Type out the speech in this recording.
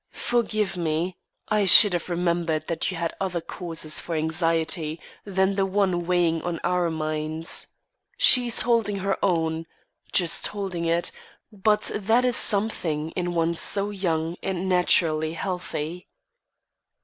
Forgive me. I should have remembered that you had other causes for anxiety than the one weighing on our minds. She is holding her own just holding it but that is something, in one so young and naturally healthy."